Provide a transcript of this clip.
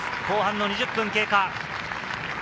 後半の２０分経過。